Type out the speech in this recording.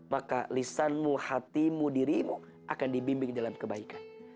maka lisanmu hatimu dirimu akan dibimbing dalam kebaikan